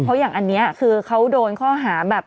เพราะอย่างอันนี้คือเขาโดนข้อหาแบบ